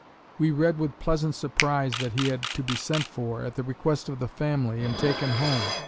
We read with pleasant surprise that he had to be sent for, at the request of the family, and taken home.